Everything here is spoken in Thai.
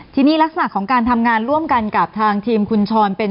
ทีนี้ลักษณะของการทำงานร่วมกันกับทางทีมคุณชรเป็น